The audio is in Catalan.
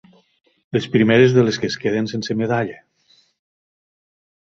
Les primeres de les que es queden sense medalla.